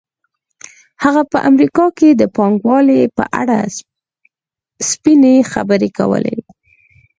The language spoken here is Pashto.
هغه په امریکا کې د پانګوالۍ په اړه سپینې خبرې کولې